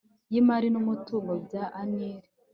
y imari n umutungo bya unr